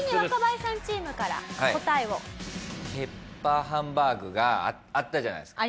ペッパーハンバーグがあったじゃないですか。